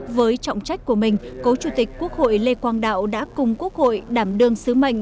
với trọng trách của mình cố chủ tịch quốc hội lê quang đạo đã cùng quốc hội đảm đương sứ mệnh